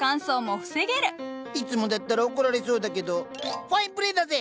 いつもだったら怒られそうだけどファインプレーだぜ！